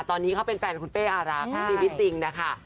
ตอนนี้เขาเป็นแฟนคุณเป้อารักษ์ชีวิตจริงนะคะ